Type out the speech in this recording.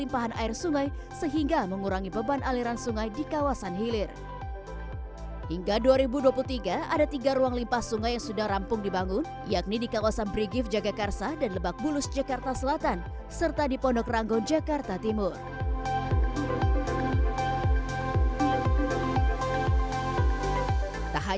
pemerintah provinsi dki jakarta menelan biaya hingga satu triliun rupiah